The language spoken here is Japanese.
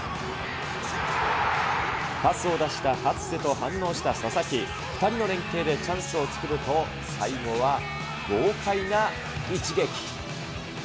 パスを出した初瀬と反応した佐々木、２人の連係でチャンスを作ると、最後は豪快な一撃。